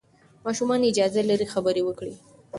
ماشومان اجازه لري خبرې وکړي.